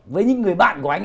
với những người bạn của anh ấy